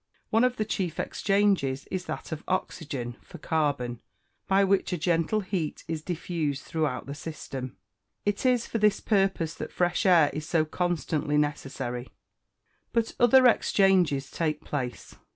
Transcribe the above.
One of the chief exchanges is that of oxygen for carbon, by which a gentle heat is diffused throughout the system. It is for this purpose that fresh air is so constantly necessary. But other exchanges take place.